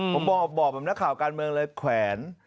ผมบอกแบบนักข่าวการเมืองเลยแขวน